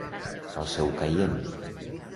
Al seu caient.